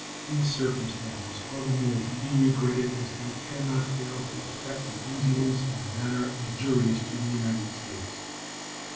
These circumstances are the more to be regretted as they can not fail to affect the Indians in a manner injurious to the United States.